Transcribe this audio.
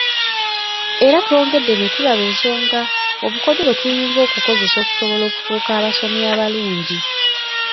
Era twongedde ne tulaba ensonga obukodyo bwe tuyinza okukozesa okusobola okufuuka abasomi abalungi.